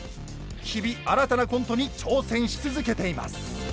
日々新たなコントに挑戦し続けています！